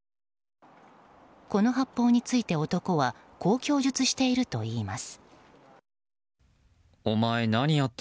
この発砲について、男はこう供述しているといいます。